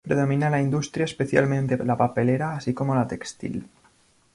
Predomina la industria, especialmente la papelera, así como la textil.